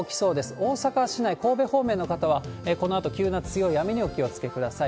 大阪市内、神戸方面の方は、このあと急な強い雨にお気をつけください。